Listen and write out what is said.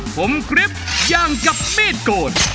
ผมกริ๊บย่างกับเมฆโกน